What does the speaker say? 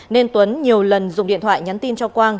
nên tuấn nhiều lần dùng điện thoại nhắn tin cho quang